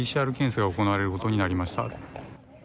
ＰＣＲ検査が行われることになりました。